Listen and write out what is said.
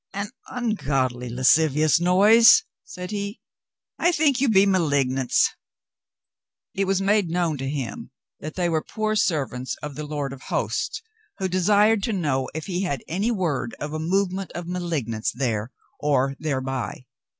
"An ungodly lascivious noise," said he. "I think you be malignants." It was made known to him that they were poor servants of the Lord of Hosts who desired to know if he had any word of a movement of malignants there or thereby.